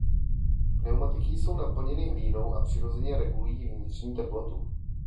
Pneumatiky jsou naplněny hlínou a přirozeně regulují vnitřní teplotu.